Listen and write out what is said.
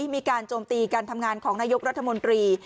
มีการโจมตีการทำงานของนายกรัฐมนตรี